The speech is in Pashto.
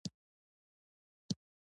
په دوهمه ورځ سلطان پنځه زره دیناره راوبخښل.